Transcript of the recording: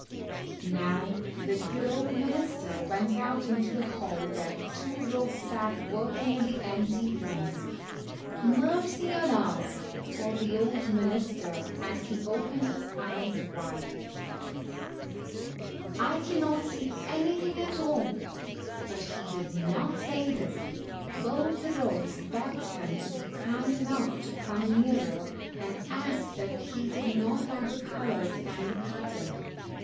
Now the good old minister went out into the hall where the two rogues sat working at the empty looms. "Mercy on us!" thought the old minister as he opened his eyes wide, " I can 119 not see anything at all !" But he did not say this. Both the rogues begged him to be kind enough to come nearer, and asked if he did not like the colors and the pattern.